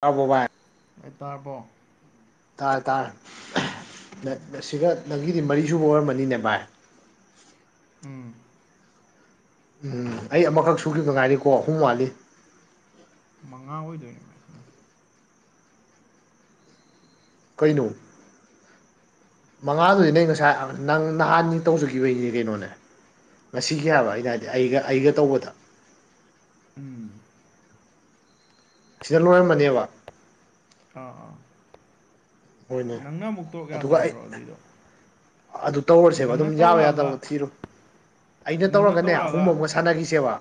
ꯇꯥꯕ꯭ꯔꯣ ꯚꯥꯏ꯫ ꯑꯦ ꯇꯥꯔꯕꯣ꯫ ꯇꯥꯔꯦ ꯇꯥꯔꯦ ꯎꯝ ꯅꯁꯤꯒ ꯅꯪꯒꯤꯗꯤ ꯃꯔꯤ ꯁꯨꯕ ꯑꯣꯏꯔꯝꯕꯅꯤꯅꯦ ꯚꯥꯏ꯫ ꯎꯝ꯫ ꯎꯝ ꯑꯩ ꯑꯃꯈꯛ ꯁꯨꯈꯤꯕꯗ ꯉꯥꯏꯔꯤꯀꯣ ꯑꯍꯨꯝ ꯋꯥꯠꯂꯤ꯫ ꯃꯉꯥ ꯑꯣꯏꯗꯣꯏꯅꯤ꯫ ꯀꯩꯅꯣ꯫ ꯃꯉꯥꯗꯨꯗꯤ ꯅꯩ ꯉꯁꯥꯏ ꯅꯪ ꯅꯍꯥꯟꯒꯤ ꯇꯧꯖꯈꯤꯕꯒꯤꯅꯤ ꯀꯩꯅꯣꯅꯦ꯫ ꯉꯁꯤꯒꯤꯍꯥꯕ ꯑꯩꯅ ꯍꯥꯏꯗꯤ ꯑꯩꯒ ꯑꯩꯒ ꯇꯧꯕꯗ꯫ ꯎꯝ꯫ ꯁꯤꯅ ꯂꯣꯏꯔꯝꯃꯅꯦꯕ꯫ ꯑꯥ ꯑꯥ ꯍꯣꯏꯅꯦ ꯅꯪꯅ ꯑꯃꯨꯛ ꯇꯧꯔꯛ ꯑꯗꯨꯒ ꯑꯩ ꯌꯥꯗꯣꯏꯅꯇ꯭ꯔꯣ ꯑꯗꯨꯏꯗꯣ꯫ ꯑꯗꯨ ꯇꯧꯔꯁꯦꯕ ꯑꯗꯨꯝ ꯅꯪꯅ ꯌꯥꯎꯕ ꯇꯧꯔꯛꯑꯒ ꯌꯥꯗꯕꯒ ꯊꯤꯔꯣ꯫ ꯑꯩꯅ ꯅꯪꯅ ꯇꯧꯔꯒꯅꯦ ꯑꯍꯨꯝ ꯇꯧꯔꯛꯑꯒ ꯑꯃꯒ ꯁꯥꯟꯅꯈꯤꯁꯦꯕ꯫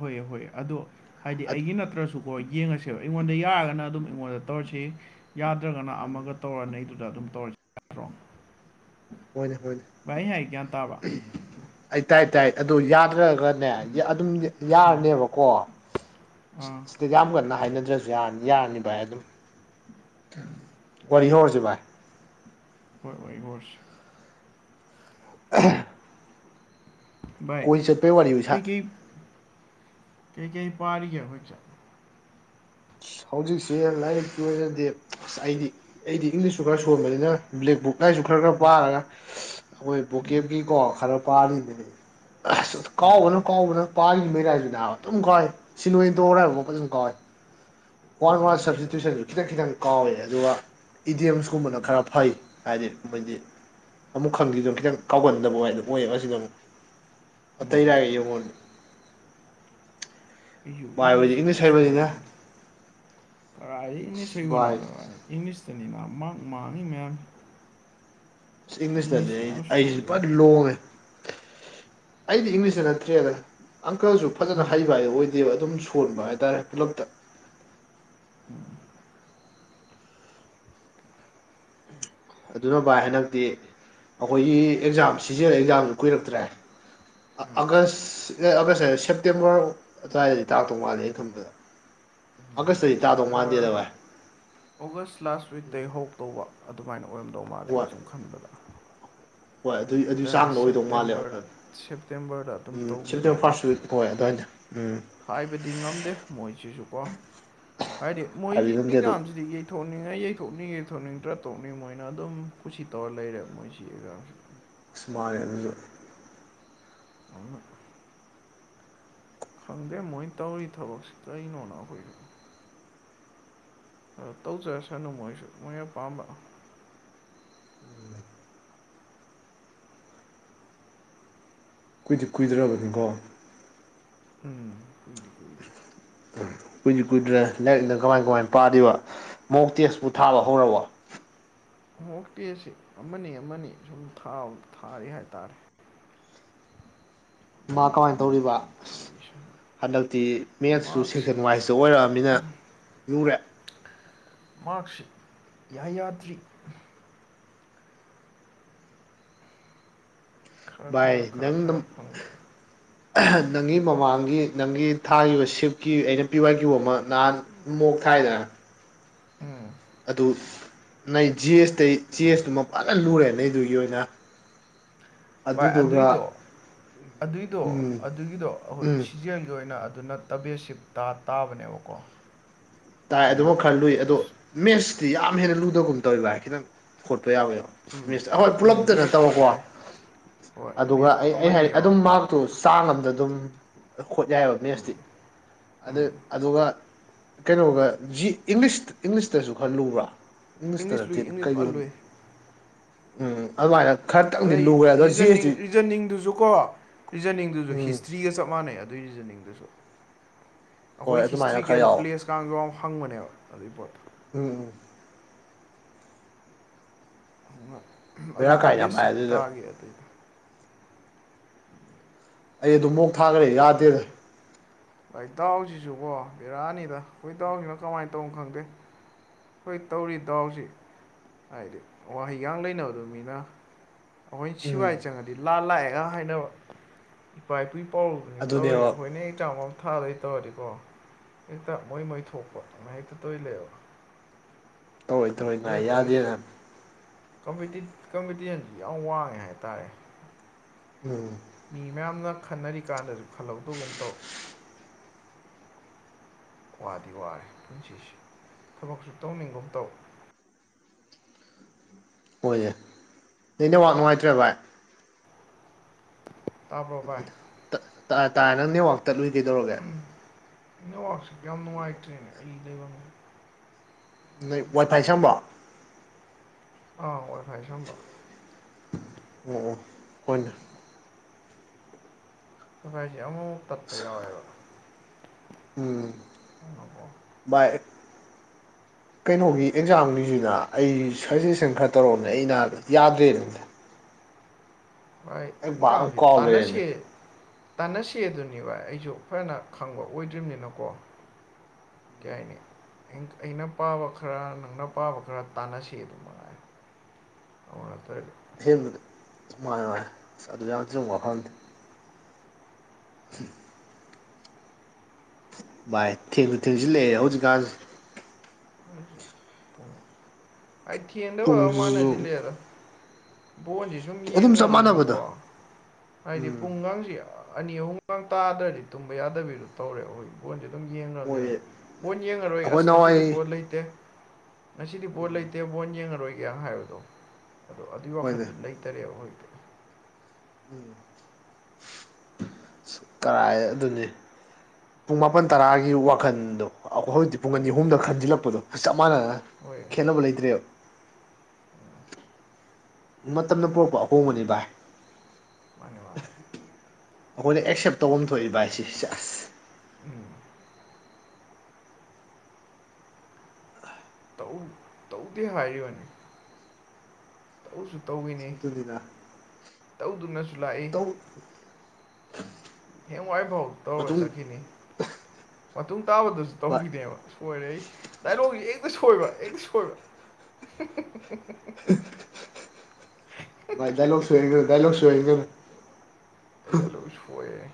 ꯍꯣꯏ ꯍꯣꯏ ꯑꯗꯣ꯫ ꯍꯥꯏꯗꯤ ꯑꯩꯒꯤ ꯅꯠꯇ꯭ꯔꯁꯨꯀꯣ ꯌꯦꯡꯉꯁꯦꯕ ꯑꯩꯉꯣꯟꯗ ꯌꯥꯔꯒꯅ ꯑꯗꯨꯝ ꯑꯩꯉꯣꯟꯗ ꯇꯧꯔꯁꯤ꯫ ꯌꯥꯗ꯭ꯔꯒꯅ ꯑꯃꯒ ꯇꯧꯔꯒ ꯅꯩꯗꯨꯗ ꯑꯗꯨꯝ ꯇꯧꯔꯁꯤ꯫ ꯌꯥꯗ꯭ꯔꯣ ꯍꯣꯏꯅꯦ ꯍꯣꯏꯅꯦ꯫ ꯚꯥꯏ ꯑꯩ ꯍꯥꯏ ꯒꯤꯌꯥꯟ ꯇꯥꯕꯔ꯫ ꯑꯩ ꯇꯥꯏ ꯇꯥꯏ ꯑꯗꯣ ꯌꯥꯗ꯭ꯔꯒ ꯅꯦ ꯑꯗꯨꯝ ꯎꯝ ꯌꯥꯅꯦꯕꯀꯣ꯫ ꯑꯥ ꯌꯥꯝ ꯀꯟꯅ ꯍꯥꯏꯅꯗ꯭ꯔꯁꯨ ꯌꯥꯅꯤ ꯌꯥꯔꯅꯤ ꯚꯥꯏ ꯑꯗꯨꯝ ꯋꯥꯔꯤ ꯍꯧꯔꯁꯤ ꯚꯥꯏ꯫ ꯍꯣꯏ ꯋꯥꯔꯤ ꯍꯧꯔꯁꯤ꯫ [unintelligible] ꯚꯥꯏ ꯀꯣꯏ ꯆꯠꯄꯩ ꯋꯥꯔꯤ ꯏꯁꯥ ꯀꯩꯀꯩ ꯀꯩꯀꯩ ꯄꯥꯔꯤꯒꯦ ꯍꯧꯖꯤꯛꯁꯦ꯫ ꯍꯧꯖꯤꯛꯁꯦ ꯂꯥꯏꯔꯤꯛꯀꯤ ꯑꯣꯏꯅꯗꯤ ꯑꯩꯗꯤ꯫ ꯑꯩꯗꯤ ꯏꯪꯂꯤꯁꯁꯨꯨ ꯈꯔ ꯁꯣꯟꯕꯅꯤꯅ ꯕ꯭ꯂꯦꯛꯕꯨꯛ ꯂꯁꯨ ꯈꯔ ꯈꯔ ꯄꯥꯔꯒ ꯑꯩꯈꯣꯏ ꯎꯝ ꯕꯣꯀꯦꯞꯀꯤꯀꯣ ꯈꯔ ꯄꯥꯜꯂꯤꯅꯦꯅꯦ ꯑꯁ ꯀꯥꯎꯕꯅ ꯀꯥꯎꯕꯅ ꯄꯥꯈꯤꯕ ꯃꯩ ꯂꯥꯏꯁꯨꯗ ꯑꯗꯨꯝ ꯀꯥꯎꯏ ꯁꯤꯂꯣꯏꯗꯧꯔ ꯍꯥꯏꯕꯐꯥꯎꯄ ꯑꯗꯨꯝ ꯀꯥꯎꯏ ꯋꯥꯟ ꯋꯥꯟ ꯁꯞꯖꯦꯛ ꯌꯥꯗꯦꯗ ꯚꯥꯏ ꯇ꯭ꯋꯏꯁꯟꯁꯨ ꯈꯤꯇꯪ ꯈꯤꯇꯪ ꯀꯥꯎꯋꯦ ꯑꯗꯨꯒ ꯏꯗꯤꯌꯦꯝꯁꯀꯨꯝꯕꯅ ꯎꯝ ꯈꯔ ꯐꯩ ꯍꯥꯏꯗꯤ ꯃꯣꯏꯗꯤ ꯑꯃꯨꯛ ꯈꯪꯗꯗ ꯈꯤꯇꯪ ꯀꯥꯎꯒꯟꯗꯕꯗ ꯑꯣꯏꯌꯦꯕ ꯃꯁꯤꯗ ꯑꯃꯨꯛ ꯎꯝ ꯑꯇꯩꯔꯥꯏꯒ ꯌꯦꯡꯉꯣꯟ ꯑꯩꯁꯨ ꯚꯥꯏ ꯍꯣꯏꯗꯤ ꯏꯪꯂꯤꯁꯤ ꯏꯪꯂꯤꯁ ꯀꯟꯅ ꯍꯩꯕꯅꯤꯅ ꯁꯣꯂꯅꯤ ꯄꯔꯥ ꯏ ꯏꯪꯂꯤ ꯏꯁꯩꯒꯣꯟꯅ ꯚꯥꯏ ꯏꯪꯂꯤꯁꯇꯅꯤꯅ ꯃꯥꯥꯡꯅꯤ ꯃꯌꯥꯝ ꯏꯪꯂꯤꯁꯇꯗꯤ ꯏꯪꯂꯤꯁ ꯑꯩꯗꯤ ꯌꯥꯝ ꯑꯩꯁꯤ ꯁꯣꯜꯂꯤꯅꯤ ꯄꯨꯔꯗꯤ ꯂꯣꯡꯉꯦ ꯑꯩꯗꯤ ꯏꯪꯂꯤꯁꯇ ꯅꯠꯇ꯭ꯔꯦꯂ ꯑꯪꯀꯜꯁꯨ ꯐꯖꯅ ꯎꯝ ꯍꯩꯕ ꯍꯥꯏ ꯑꯣꯏꯗꯦꯕ ꯑꯗꯨꯝ ꯁꯣꯟꯕ ꯍꯥꯏꯇꯥꯔꯦ ꯄꯨꯂꯞꯛꯇ [unintelligible] ꯑꯗꯨꯅ ꯚꯥꯏ ꯍꯟꯗꯛꯇꯤ ꯑꯩꯈꯣꯏꯒꯤ ꯑꯦꯛꯖꯥꯝ ꯁꯤꯖꯤꯟꯅꯂ ꯑꯦꯛꯖꯥꯝꯁꯨ ꯀꯨꯏꯔꯛꯇ꯭ꯔꯦ ꯑꯥꯒꯁ ꯑꯥꯒꯁ ꯁꯦꯞꯇꯦꯝꯕꯔ ꯑꯗꯨꯋꯥꯏꯗꯗꯤ ꯇꯥꯛꯇꯧ ꯃꯥꯜꯂꯦ ꯑꯩꯅ ꯈꯟꯕꯗ ꯑꯥꯒꯁꯇꯗꯤ ꯇꯥꯗꯧ ꯁꯦꯞꯇꯦꯝꯕꯔ ꯃꯥꯟꯗꯦꯗ ꯚꯥꯏ ꯑꯣꯒꯁ ꯂꯥꯁ ꯋꯤꯇꯩꯒꯤ ꯍꯧ ꯇꯧꯕ ꯑꯗꯨꯃꯥꯏꯅ ꯑꯣꯏꯔꯝꯗꯧ ꯃꯥꯜꯂꯦ ꯍꯣꯏ ꯑꯩꯅ ꯁꯨꯝ ꯈꯟꯕꯗ ꯍꯣꯏ ꯑꯗꯨꯏ ꯑꯗꯨꯏ ꯗꯅ ꯆꯥꯡꯗ ꯑꯣꯏꯗꯧ ꯃꯥꯜꯂꯦꯕ ꯁꯦꯞꯇꯦꯝꯕꯔꯗ ꯁꯦꯞꯇꯦꯝꯕꯔꯗ ꯑꯗꯨꯝ ꯎꯝ ꯇꯧꯕꯈꯤꯕ ꯁꯦꯞꯇꯦꯝꯕꯔ ꯑꯃ ꯐꯥꯔꯁ ꯋꯤꯛ ꯍꯣꯏ ꯑꯗꯨꯏꯗ ꯎꯝ ꯍꯥꯏꯕꯗꯤ ꯉꯝꯗꯦ ꯃꯣꯏꯁꯤꯁꯨ ꯀꯣ ꯍꯥꯏꯗꯤ ꯃꯣꯏꯒꯤ ꯍꯥꯏꯕꯤꯔꯝꯗꯦ ꯑꯗꯨ ꯑꯦꯛꯖꯥꯝꯁꯤꯗꯤ ꯊꯣꯛꯅꯤꯡꯉꯥꯏ ꯌꯩꯊꯣꯛꯅꯤꯡ ꯌꯩ ꯊꯣꯛꯅꯤꯡꯗ꯭ꯔꯥ ꯊꯣꯛꯣꯛꯅꯤꯡ ꯃꯣꯏꯅ ꯑꯗꯨꯝ ꯀꯁꯤ ꯇꯧꯔ ꯂꯩꯔꯦꯕ ꯃꯣꯏꯁꯤ ꯑꯦꯛꯖꯥꯁꯦ ꯃꯅ ꯑꯗꯨꯁꯨ ꯑ ꯈꯪꯗꯦ ꯃꯣꯏ ꯇꯧꯔꯤ ꯊꯕꯛꯁꯤ ꯀꯔꯤꯩꯅꯣꯅ ꯑꯩꯈꯣꯏꯁ ꯑ ꯇꯧꯖꯔꯁꯅꯨ ꯃꯣꯏꯁꯨ ꯃꯣꯏꯅ ꯑꯄꯥꯝꯕ ꯀꯨꯏꯗꯤ ꯀꯨꯏꯗ꯭ꯔꯕꯅꯤꯀꯣ ꯎꯝ ꯀꯣꯏꯗ ꯀꯣꯏꯗ ꯎꯝ ꯀꯨꯏꯗ꯭ꯔꯤ ꯀꯨꯏꯗ꯭ꯔꯦ ꯂꯥꯏꯔꯤꯛꯅ ꯀꯃꯥꯏ ꯀꯃꯥꯏ ꯄꯥꯗꯕ ꯃꯣꯛ ꯇꯦꯁꯄꯨ ꯊꯥꯕ ꯍꯧꯔꯕꯛꯔꯕ ꯑꯣꯣꯡꯣꯛꯇꯦ ꯑꯁꯤ ꯑꯃꯅꯤ ꯑꯃꯅꯤ ꯁꯨꯝꯥꯎ ꯊꯥꯔꯤ ꯍꯥꯏꯇꯥꯔꯦ ꯃꯥ ꯑꯃꯅꯤ ꯀꯃꯥꯏꯅ ꯑꯃꯅꯤ ꯇꯧꯔꯤꯕ ꯁꯨꯝ ꯊꯥꯕꯤꯁꯅꯨ ꯍꯟꯗꯛꯇꯤ ꯃꯌꯦꯛꯇꯁꯨ ꯃꯥꯔꯛꯁꯦ ꯁꯦꯛꯁꯟ ꯋꯥꯏꯖꯇ ꯑꯣꯏꯔꯛꯑꯃꯤꯅ ꯂꯨꯔꯦ ꯃꯥꯥꯛꯔꯛꯁꯤ ꯌꯥꯌꯥꯇ꯭ꯔꯤ ꯈꯔ ꯚꯥꯏ ꯈꯔ ꯈꯔ ꯅꯪ ꯈꯔ ꯐꯪꯕ ꯅꯪꯒꯤ ꯃꯃꯥꯡꯒꯤ ꯅꯪꯒꯤ ꯊꯥꯈꯤꯕ ꯁꯤꯞꯀꯤ ꯑꯩꯅ ꯄꯤꯋꯥꯏ ꯀ꯭ꯌꯣ ꯑꯃ ꯅꯍꯥꯟ ꯃꯣꯛ ꯊꯥꯏꯗꯅ ꯎꯝ ꯑꯗꯨ ꯅꯣꯏ ꯖꯤ ꯑꯦꯁꯇꯩ ꯖꯤ ꯑꯦꯁꯇꯨ ꯃ ꯐꯅ ꯂꯨꯔꯦ ꯅꯗꯨꯒꯤ ꯑꯣꯏꯅ [unintelligible] ꯚꯥꯏ ꯑꯗꯨꯗꯨꯒ ꯑꯗꯨꯏꯗꯣ ꯑꯗꯨꯏꯗꯣ ꯎꯝ ꯑꯗꯨꯒꯤꯗꯣ ꯑꯩꯈꯣꯏ ꯎꯝ ꯁꯤꯖꯦꯜꯒꯤ ꯑꯣꯏꯅ ꯑꯗꯨ ꯅ ꯇꯕꯦꯠꯁꯤꯞꯇ ꯇꯥꯕꯅꯦꯕꯀꯣ ꯇꯥꯏ ꯑꯗꯨꯅ ꯑꯗꯨꯃꯛ ꯈꯔ ꯂꯨꯏ ꯑꯗꯣ ꯑꯁ ꯃꯦꯠꯁꯇꯤ ꯌꯥꯝ ꯍꯦꯟꯅ ꯂꯨꯗꯒꯨꯝ ꯇꯧꯋꯤ ꯚꯥꯏ ꯈꯤꯇꯪ ꯍꯣꯠꯄ ꯌꯥꯎꯋꯦꯕ ꯎꯝ ꯃꯤꯁ ꯑꯩꯏ ꯎꯝ ꯄꯨꯂꯞꯇꯅ ꯃꯦꯠꯁ ꯈꯣꯠ ꯇꯧꯀꯣ ꯌꯥꯏ ꯍꯣꯏ ꯑꯗꯨꯒ ꯃꯦꯠꯁ ꯈꯣꯠ ꯑꯩ ꯑꯩ ꯍꯥꯏ ꯑꯃꯅꯤ ꯑꯗꯨꯝ ꯌꯥꯎꯔꯦ ꯈꯣꯠꯄ ꯃꯍꯥꯛꯇꯨ ꯆꯥꯡ ꯑꯃꯗ ꯑꯗꯨꯝ ꯍꯣꯠ ꯌꯥꯏꯑꯕ ꯃꯦꯠꯁꯇꯤ ꯑꯗꯨ ꯎꯝ ꯑꯗꯨꯒ ꯀꯩꯅꯣꯒ ꯖꯤ ꯏꯪꯂꯤꯁ ꯏꯪꯂꯤꯁꯇꯁꯨ ꯈꯔ ꯂꯨꯕ꯭ꯔꯥ ꯏꯪꯂꯤꯁꯇ ꯏꯪꯂꯤꯁ ꯂꯨꯏ ꯅꯠꯇꯦꯅ ꯏꯪꯂꯤꯁ ꯐꯖꯅ ꯀꯩꯗꯣꯅꯤ ꯂꯨꯏ ꯎꯝ ꯑꯗꯨꯃꯥꯏꯅ ꯈꯔ ꯑꯗꯩ ꯖꯟꯅꯤꯡ ꯔꯤꯖꯟꯅꯤꯡꯗꯨꯁꯨꯀꯣ ꯔꯤꯖꯅꯤꯡꯗꯨꯁꯨ ꯎꯝ ꯍꯤꯁꯇ꯭ꯔꯤꯒ ꯆꯞ ꯃꯥꯟꯅꯩ ꯑꯗꯨꯒꯤ ꯔꯤꯖꯅꯤꯡꯗꯨ ꯑꯗꯨꯁꯨ ꯍꯣꯏ ꯑꯩꯈꯣꯏ ꯑꯗꯨꯃꯥꯏꯅ ꯈꯔ ꯍꯤꯁꯇ꯭ꯔꯤꯀꯦꯜ ꯌꯥꯎꯋꯦ ꯄ꯭ꯂꯦꯁꯀꯒꯥꯎ ꯍꯪꯕꯅꯦꯕ ꯑꯗꯨꯏ ꯄꯣꯠꯇꯣ ꯎꯝ ꯎꯝ ꯑꯗꯨ ꯕꯦꯔꯥ ꯀꯥꯏ ꯇꯕꯦꯠ ꯌꯥꯝ ꯍꯥꯏ ꯁꯤꯞ ꯑꯗꯨꯗ ꯇꯥꯒꯦ ꯑꯗꯨꯏꯗ ꯑꯩ ꯑꯗꯨꯝ ꯃꯨꯛ ꯊꯥꯈ꯭ꯔꯦ ꯌꯥꯗꯦꯗ ꯏꯇꯥꯎꯁꯤꯁꯨꯀꯣ ꯕꯤꯔꯥꯅꯤꯗ ꯑꯩꯈꯣꯏ ꯏꯇꯥꯎꯁꯤꯅꯣ ꯀꯃꯥꯏꯅ ꯇꯧꯅꯣ ꯈꯪꯗꯦ ꯍꯣꯏ ꯇꯧꯔꯤ ꯗꯥꯎꯁꯤ ꯍꯥꯏꯗꯤ ꯋꯥꯍꯩꯒꯥꯡ ꯂꯩꯅꯕꯗꯨꯅꯤꯅ ꯑꯩꯈꯣꯏ ꯁꯤꯕꯥꯏ ꯎꯝ ꯆꯪꯉꯗꯤ ꯂꯥ ꯂꯥꯛꯑꯦꯒ ꯍꯥꯏꯅꯕ ꯏꯄꯥ ꯏꯄꯨ ꯄꯧꯔꯨꯕꯅꯦ ꯇꯧꯔꯤ ꯑꯗꯨꯅꯦꯕ ꯑꯩꯈꯣꯏꯅ ꯑꯩ ꯆꯥꯡ ꯄꯊꯥꯗꯩ ꯇꯧꯔꯗꯤꯀꯣ ꯍꯦꯛꯇ ꯃꯣꯏ ꯃꯣꯏ ꯊꯣꯛꯄ ꯉ ꯍꯦꯛꯇ ꯇꯣꯏ ꯂꯩꯑꯦꯕ ꯇꯧꯔꯣꯏ ꯇꯧꯔꯣꯏ ꯑꯗꯨ ꯉꯥꯏ ꯇꯧꯔꯤꯁꯦ ꯌꯥꯗꯦꯅ ꯀꯝꯄꯤꯇꯤꯁꯟꯁꯤ ꯌꯥꯝ ꯋꯥꯡꯉꯦ ꯍꯥꯏꯇꯥꯔꯦ ꯎꯝ ꯃꯤ ꯃꯌꯥꯝꯅ ꯈꯟꯅꯔꯤ ꯀꯥꯟꯗꯁꯨ ꯈꯜꯍꯧꯗꯕ ꯑꯃ ꯇꯧꯋ ꯋꯥꯗꯤ ꯋꯥꯔꯦ ꯄꯨꯟꯁꯤꯁꯤ ꯊꯕꯛꯁꯨ ꯇꯧꯅꯤꯡꯒꯨꯝ ꯇꯧ ꯍꯣꯏꯅꯦ ꯅꯅꯦ ꯋꯥ ꯅꯨꯡꯉꯥꯏꯇ꯭ꯔꯦ ꯚꯥꯏ ꯇꯥꯕ꯭ꯔꯣ ꯚꯥꯏ ꯎꯝ ꯎꯝ ꯇꯥꯔꯦ ꯅꯪ ꯅꯦꯠꯋꯥꯛ ꯇꯠꯂꯨ ꯀꯩꯗꯧꯔꯒꯦ ꯎꯝ ꯏ ꯋꯥꯁꯤ ꯍꯥꯏꯇꯅ ꯑꯦꯜꯗ ꯅꯣꯏ ꯋꯥꯏ ꯐꯥꯏ ꯁꯦꯝꯕ ꯑꯥ ꯋꯥꯏ ꯐꯥꯏ ꯁꯦꯝꯕ ꯑꯣ ꯑꯣ ꯍꯣꯏꯅꯦ ꯀꯈꯥꯏꯁꯦ ꯑꯃꯨꯐꯥꯎ ꯇꯠꯄ ꯌꯥꯎꯋꯦꯕ ꯎꯝ [inaudible] ꯀꯩꯅꯣꯒꯤ ꯑꯦꯛꯖꯥꯝꯒꯤꯁꯤꯅ ꯑꯩ ꯁꯖꯦꯁꯟ ꯈꯔ ꯇꯧꯔꯝꯅꯦ ꯑꯩꯅ ꯌꯥꯗ꯭ꯔꯦ ꯑꯗꯨꯝꯇ ꯚꯥꯏ ꯕꯥꯛ ꯑꯃ ꯑꯩꯒꯁꯤ ꯀꯥꯎ ꯂꯩꯔꯦꯅꯦ ꯇꯥꯟꯅꯁꯤ ꯇꯥꯟꯅꯁꯤ ꯑꯗꯨꯅꯦꯕ ꯑꯩꯁꯨ ꯐꯅ ꯈꯪꯕ ꯑꯣꯏꯗ꯭ꯔꯤꯕꯝꯅꯤꯅꯀꯣ ꯀꯌꯥꯥꯏꯅꯤ ꯑꯩꯅ ꯄꯥꯕ ꯈꯔ ꯅꯪꯅ ꯄꯥꯕ ꯈꯔ ꯇꯥꯟꯅꯁꯤ ꯑꯗꯨ ꯃꯉꯥꯏ ꯑꯃꯅ ꯇ ꯑꯍꯦꯟꯕꯗꯉꯥꯏ ꯃꯥꯥꯏ ꯑꯁ ꯑꯗꯨ ꯌꯥꯎꯗꯕ ꯋꯥꯐꯝꯗꯤ [unintelligible] ꯚꯥꯏ ꯊꯦꯡꯁꯨ ꯊꯦꯡꯖꯤꯜꯂꯛꯑꯦ ꯍꯧꯖꯤꯛꯀꯥꯟꯁꯦ [unintelligible] ꯑꯩ ꯊꯦꯟꯗꯕꯩ ꯑꯣꯏꯔ ꯃꯥꯟꯂꯦ ꯄꯨꯡꯁꯤꯁꯨ ꯑꯁꯤꯂꯩꯌꯦꯗ ꯕꯣꯟꯁꯦ ꯁꯨꯝ ꯑꯗꯨꯝ ꯆꯞ ꯃꯥꯟꯅꯕꯗꯣ ꯌꯦꯡꯈ꯭ꯔꯕꯅꯤꯅꯀꯣ ꯍꯥꯏꯗꯤ ꯎꯝ ꯄꯨꯡꯒꯥꯡꯁꯦ ꯑꯅꯤ ꯑꯍꯨꯝꯒ ꯇꯥꯗ꯭ꯔꯗꯤ ꯇꯨꯝꯕ ꯌꯥꯗꯕꯤꯗꯣ ꯇꯧꯔꯦ ꯍꯧꯖꯤꯛ ꯕꯣꯟꯁꯦ ꯑꯗꯨꯝ ꯃꯣꯏ ꯌꯦꯡꯈ꯭ꯔꯕꯅꯤꯅ ꯕꯣꯟ ꯌꯦꯡꯉꯔꯣꯏ ꯑꯩꯈꯣꯏ ꯑꯁ ꯉꯁꯤꯗꯤ ꯅꯍꯥꯟꯋꯥꯏ ꯕꯣꯟ ꯂꯩꯇꯦ ꯉꯁꯤꯗꯤ ꯕꯣꯟ ꯂꯩꯇꯦ ꯕꯣꯟ ꯌꯦꯡꯉꯔꯣꯏꯒꯦ ꯍꯥꯏꯕꯗꯣ ꯑꯗꯣ ꯑꯗꯨꯏ ꯍꯣꯏꯅꯦ ꯋꯥꯈꯟꯗꯣ ꯂꯩꯇꯔꯦꯕ ꯍꯧꯖꯤꯛꯇꯤ ꯎꯝ ꯇꯔꯥꯏ ꯑꯗꯨꯅꯤ ꯄꯨꯡ ꯃꯥꯄꯟ ꯇꯔꯥꯒꯤ ꯋꯥꯈꯟꯗꯣ ꯑꯈꯣꯏ [unintelligible] ꯄꯨꯡ ꯍꯣꯏ ꯑꯅꯤ ꯑꯍꯨꯝꯗ ꯈꯟꯖꯤꯜꯂꯛꯄꯗꯣ ꯆꯞ ꯃꯥꯟꯅꯅ ꯍꯣꯏ ꯈꯦꯠꯅꯕ ꯂꯩꯇ꯭ꯔꯦ [unintelligible] ꯃꯇꯝꯅ ꯄꯣꯔꯛꯄ ꯑꯍꯣꯡꯕꯅꯤ ꯚꯥꯏ ꯃꯥꯅꯦ ꯃꯥꯅꯦ ꯑꯩꯈꯣꯏꯅ ꯑꯦꯛꯁꯦꯞ ꯇꯧꯐꯝ ꯊꯣꯛꯏ ꯚꯥꯏ ꯁꯤ ꯑꯦꯁ ꯎꯝꯍ ꯇꯧ ꯇꯧꯗꯦ ꯍꯥꯏꯔꯤꯕꯅꯤ ꯇꯧꯁꯨ ꯇꯧꯌꯤꯅꯤ ꯑꯗꯨꯅꯤꯅ ꯇꯧꯗꯨꯅꯁꯨ ꯂꯥꯛꯏ ꯇꯧ ꯍꯌꯦꯡꯋꯥꯏꯐꯧ ꯇꯧꯔ ꯃꯇꯨꯡ ꯆꯠꯈꯤꯅꯤ ꯃꯇꯨꯡ ꯇꯥꯕꯗꯁꯨ ꯚꯥꯏ ꯇꯧꯈꯤꯗꯦꯕ ꯁꯣꯏꯔꯦ ꯑꯩ ꯗꯥꯏꯂꯣꯛꯁꯦ ꯍꯦꯛꯇ ꯁꯣꯏꯕ ꯍꯦꯛꯇ ꯁꯣꯏꯕ [unintelligible] ꯃꯥꯅꯦ ꯗꯥꯏꯂꯣꯛ ꯁꯣꯏꯍꯟꯒꯅꯣ ꯗꯥꯏꯂꯣꯛ ꯁꯣꯏꯍꯟꯒꯅꯨ ꯑꯩ ꯗꯥꯏꯂꯣꯛ ꯁꯣꯏꯌꯦ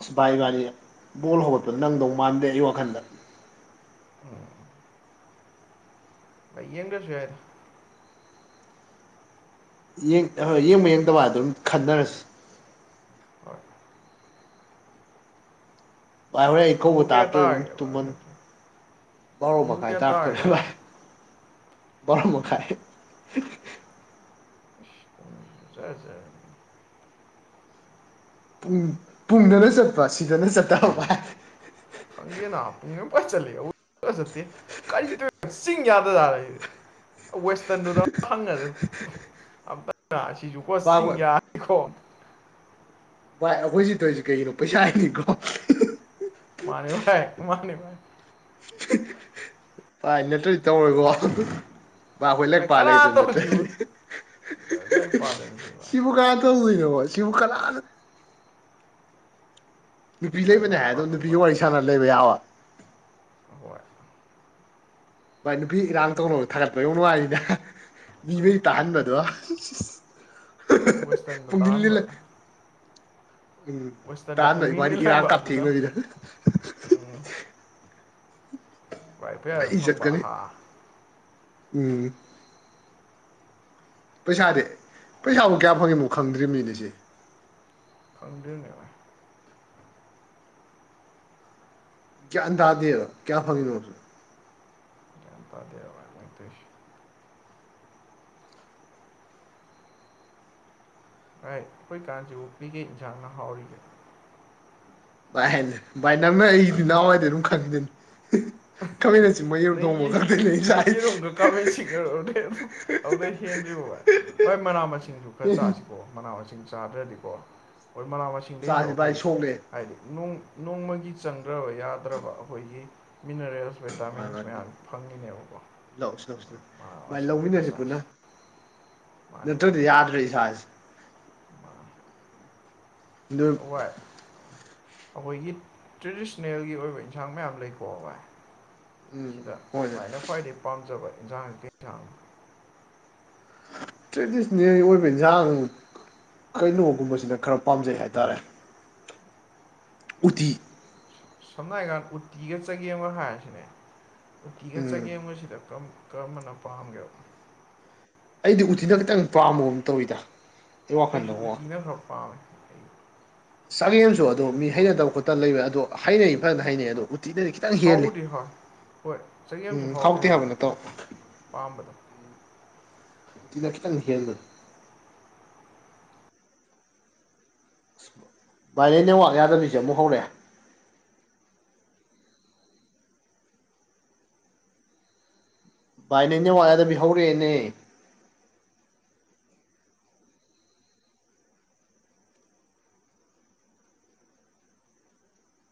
ꯑꯁ ꯚꯥꯏ ꯏꯕꯥꯅꯤ ꯕꯣꯜ ꯍꯧꯒꯠꯄꯗꯣ ꯅꯪꯗꯧ ꯃꯥꯟꯗꯦ ꯑꯩ ꯋꯥꯈꯟꯗ ꯎꯝ ꯑꯩ ꯌꯦꯡꯗ꯭ꯔꯁꯨ ꯌꯥꯏꯗ ꯌꯦꯡꯕ ꯍꯣꯏ ꯌꯦꯡꯗꯕ ꯑꯗꯨꯝ ꯈꯟꯅꯔꯁꯤ ꯍꯣꯏ ꯚꯥꯏ ꯍꯣꯔꯦꯟ ꯑꯩ ꯀꯧꯕ ꯄꯨꯡꯕꯨ ꯀꯌꯥ ꯇꯥꯛꯇ꯭ꯔꯁꯨ ꯑꯗꯨꯝ ꯇꯥꯔꯒꯦ ꯚꯥꯏ ꯇꯨꯝꯃꯟ ꯚꯥꯔꯣ ꯄꯨꯡꯕꯨ ꯃꯈꯥꯏ ꯀꯌꯥ ꯇꯥꯔꯛ ꯇꯥꯔꯒꯦ ꯇꯣꯔꯦ ꯚꯥꯏ ꯑꯁ ꯚꯥꯔꯣ ꯃꯈꯥꯏ [unintelligible] ꯑꯁ ꯄꯨꯡꯖꯤꯖꯨ ꯖꯔ ꯖꯔꯅꯦ ꯄꯨꯡ ꯄꯨꯡꯗꯅ ꯆꯠꯄ ꯁꯤꯗꯅ ꯆꯠꯇꯕ ꯚꯥꯏ ꯈꯪꯗꯦꯅ ꯄꯨꯡꯅ ꯄꯪꯆꯠ ꯆꯠꯂꯤ [unintelligible] ꯆꯠꯇꯦ ꯀꯔꯤ ꯇꯩꯔꯤꯅꯣ ꯆꯤꯡ ꯌꯥꯗ __ ꯋꯦꯁꯇꯔꯟꯗꯨꯗ ꯍꯪꯉꯁꯦ ꯑꯝꯇ ꯅ ꯑꯁꯤꯁꯨꯀꯣ ꯚꯥꯏ ꯆꯤꯡ ꯌꯥꯅꯤꯀꯣ ꯚꯥꯏ ꯑꯩꯈꯣꯏ ꯁꯤ ꯇꯧꯔꯤꯁꯤ ꯀꯩꯒꯤꯅꯣ ꯄꯩꯁꯥ ꯒꯤꯅꯤꯀꯣ ꯃꯥꯅꯦ ꯕꯥꯏ ꯃꯥꯅꯦ ꯕꯥꯏ ꯚꯥꯏ ꯅꯠꯇ꯭ꯔꯗꯤ ꯇꯧꯔꯣꯏꯀꯣ [unintelligible] ꯚꯥꯏ ꯑꯩꯈꯣꯏ ꯂꯥꯏꯔꯤꯛ ꯄꯥ ꯀꯅꯥꯅ ꯂꯩꯗꯣꯏ ꯅꯠꯇ꯭ꯔ ꯇꯧꯔꯤꯁꯤꯕꯣ ꯗꯤ ꯂꯥꯏꯔꯤꯛ ꯄꯥꯗꯕꯅꯤ ꯁꯤ [unintelligible] ꯚꯥꯏ ꯁꯤꯕꯨ ꯀꯅꯥ ꯇꯧꯗꯣꯏꯅꯣꯕ ꯁꯤꯕꯨ ꯀꯅꯥꯅ ꯅꯨꯄꯤ ꯑꯗꯨꯃꯥꯏꯅ ꯂꯩꯕꯅꯦ ꯂꯥꯏꯔꯤꯛ ꯍꯥꯏꯕꯗꯨꯝ ꯄꯥꯗꯧ ꯅꯨꯄꯤꯁꯨ ꯋꯥꯔꯤ ꯃꯇꯝꯁꯤꯗ ꯁꯥꯥꯟꯅ ꯂꯩꯕ ꯌꯥꯕ ꯍꯣꯏ ꯚꯥꯏ ꯅꯨꯄꯤ ꯏꯔꯥꯡ ꯇꯧꯅꯕ ꯊꯥꯒꯠꯄ ꯌꯣꯡ ꯅꯨꯡꯉꯥꯏꯅꯤꯅ ꯃꯤꯒꯩꯖꯦ ꯇꯥꯍꯟꯕ ꯑꯗꯨꯒ ꯁꯤꯁ ꯁꯤꯁ ꯋꯦꯁꯇꯔꯟꯗ ꯄꯨꯡꯅꯤꯟ ꯅꯤꯜꯂꯦ ꯇꯥꯍꯟꯕ ꯎꯝ ꯋꯦꯁꯇꯔꯟꯗ ꯇꯥꯍꯟꯗꯣꯏ ꯄꯨꯛꯅꯤꯡ ꯏꯕꯥꯅꯤ ꯏꯔꯥꯡ ꯅꯤꯜꯍꯟꯕ ꯀꯥꯞ ꯑꯗꯨꯅ ꯊꯦꯛꯅꯕꯤꯗꯣ ꯎꯝ ꯂꯥꯏꯔꯤꯛ ꯑꯩ ꯄꯌꯥꯗ ꯏꯖꯠ ꯐꯪꯕ ꯀꯟꯅꯤ ꯍꯥ ꯎꯝ ꯄꯩꯁꯥꯗꯤ ꯄꯩꯁꯥꯕꯨ ꯀꯌꯥ ꯐꯪꯉꯤꯝꯅꯣ ꯈꯪꯗ꯭ꯔꯤꯕꯅꯤꯅꯦ ꯁꯤ ꯐꯪꯗ꯭ꯔꯤꯅꯦ ꯚꯥꯏ ꯒ꯭ꯌꯥꯟ ꯇꯥꯗꯦ ꯀꯌꯥ ꯐꯪꯉꯤꯅꯣꯁꯨ ꯒ꯭ꯌꯥꯟ ꯇꯥꯗꯦ [unintelligible] ꯚꯥꯏ ꯑꯩꯈꯣꯏ ꯀꯥꯟꯁꯤꯕꯨ ꯀꯩꯀꯩ ꯌꯦꯟꯁꯥꯡꯅ ꯍꯥꯎꯔꯤꯒꯦ ꯚꯥꯏ ꯚꯥꯏ ꯅꯪꯅ ꯑꯩꯒꯤꯗꯤ ꯅꯍꯥꯟꯋꯥꯏꯗꯩ ꯑꯗꯨꯝ ꯈꯪꯉꯤꯗꯨꯅꯤ [unintelligible] ꯈꯃꯦꯟ ꯑꯁꯤꯟꯕ ꯌꯦꯔꯨꯝ ꯊꯣꯡꯕ ꯅꯩ ꯈꯛꯇꯅꯦ ꯑꯩ ꯅꯪ ꯆꯥꯏꯁꯦ ꯌꯦꯔꯨꯝꯒ ꯈꯥꯃꯦꯟ ꯑꯁꯤꯡꯒꯗꯣ ꯑꯗꯨꯝ ꯑꯗꯨꯗꯩ ꯍꯦꯟꯗ꯭ꯔꯤꯕꯣ ꯚꯥꯏ ꯍꯣꯏ ꯃꯅꯥ ꯃꯁꯤꯡꯁꯨ ꯈꯔ ꯆꯥꯁꯤ ꯑꯣ ꯃꯅꯥ ꯃꯁꯤꯡ ꯆꯥꯗ꯭ꯔꯗꯤꯀꯣ ꯍꯣꯏ ꯃꯅꯥ ꯃꯁꯤꯡꯗꯩꯁꯨ ꯆꯥꯁꯤ ꯚꯥꯏ ꯑꯩꯈꯣꯏ ꯁꯣꯛꯂꯛꯑꯦ ꯍꯥꯏꯗꯤ ꯅꯣꯡꯃꯒꯤ ꯆꯪꯗ꯭ꯔꯕ ꯌꯥꯗ꯭ꯔꯕ ꯑꯩꯈꯣꯏꯒꯤ ꯃꯤꯅꯔꯦꯜꯁ ꯚꯥꯏ ꯚꯥꯏ ꯚꯤꯇꯥꯃꯤꯟꯁ ꯃꯌꯥꯝꯁꯦ ꯐꯪꯉꯤꯅꯦꯕꯀꯣ ꯂꯧꯁꯤ ꯂꯧꯁꯤ ꯃꯥ ꯚꯥꯏ ꯋꯥꯁꯤꯡ ꯂꯧꯃꯤꯟꯅꯁꯤ ꯄꯨꯟꯅ ꯃꯁꯥꯁ ꯃꯥꯅꯦ ꯃꯥꯅꯦ ꯅꯠꯇ꯭ꯔꯗꯤ ꯌꯥꯗ꯭ꯔꯦ ꯏꯁꯥꯥꯁꯦ ꯑꯗꯨ ꯍꯋꯥꯏ ꯑꯩꯈꯣꯏꯒꯤ ꯇ꯭ꯔꯦꯗꯤꯁꯅꯦꯜꯒꯤ ꯑꯣꯏꯕ ꯏꯟꯁꯥꯡ ꯃꯌꯥꯝ ꯂꯩꯀꯣ ꯍꯋꯥꯏ ꯎꯝ ꯁꯤꯗ ꯍꯣꯏꯅꯦ ꯚꯥꯏꯅ ꯈ꯭ꯋꯥꯏꯗꯒꯤꯩ ꯄꯥꯝꯖꯕ ꯌꯦꯟꯁꯥꯡ ꯁꯤ ꯀꯩ ꯏꯟꯁꯥꯡꯅꯣ ꯇ꯭ꯔꯦꯗꯤꯁꯟꯅꯦꯜ ꯑꯣꯏꯕ ꯏꯟꯖꯥꯡ ꯀꯩꯅꯣꯒꯨꯝꯕꯁꯤꯅ ꯈꯔ ꯄꯥꯝꯖꯩ ꯍꯥꯏꯇꯥꯔꯦ ꯎꯇꯤ ꯁꯝꯅ ꯍꯥꯏꯀꯥꯟꯗ ꯎꯇꯤꯒ ꯆꯒꯦꯝꯒ ꯍꯥꯏꯔꯁꯤꯅꯦ ꯎꯇꯤꯒ ꯎꯝ ꯆꯒꯦꯝꯒꯁꯤꯗ ꯀꯔꯝ ꯀꯔꯝꯕꯅ ꯄꯥꯝꯒꯦꯕ ꯑꯩꯗꯤ ꯎꯠꯇꯤꯅ ꯈꯤꯇꯪ ꯄꯥꯝꯕꯒꯨꯝ ꯇꯧꯋꯤꯗ ꯑꯩ ꯑꯩꯁꯨ ꯋꯥꯈꯟꯗꯀꯣ ꯎꯇꯤꯅ ꯈꯔ ꯄꯥꯝꯃꯦ ꯆꯒꯦꯝꯁꯨ ꯑꯗꯣ ꯑꯩꯒꯤ ꯃꯤ ꯍꯩꯅꯗꯕ ꯄꯣꯠꯇꯨꯅ ꯈꯣꯠꯇꯕ ꯂꯩꯕ ꯑꯗꯣ ꯍꯩꯅꯩ ꯐꯖꯅ ꯍꯩꯅꯩ ꯑꯗꯣ ꯍꯣꯏ ꯎꯇꯤꯗꯗꯤ ꯈꯤꯇꯪ ꯍꯦꯜꯂꯤ ꯍꯥꯎꯕꯨꯗꯤ ꯍꯥꯎꯏ ꯍꯣꯏ ꯆꯒꯦꯝꯁꯨ ꯍꯥꯎꯇꯦ ꯍꯥꯏꯕ ꯅꯠꯇꯕꯀꯣ ꯄꯥꯝꯕꯗꯣ ꯎꯇꯤꯅ ꯈꯤꯇꯪ ꯍꯦꯟꯕꯗꯣ ꯚꯥꯏ ꯅꯩ ꯅꯦꯠꯋꯥꯛ ꯌꯥꯗꯕꯤꯁꯤ ꯑꯃꯨꯛ ꯍꯧꯔꯛꯑꯦ ꯚꯥꯏ ꯅꯩ ꯅꯦꯠꯋꯥꯛ ꯌꯥꯗꯕꯤ ꯍꯧꯔꯛꯑꯦꯅꯦ